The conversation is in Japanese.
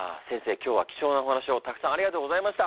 今日は貴重なお話をたくさんありがとうございました。